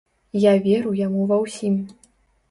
Я веру яму ва ўсім.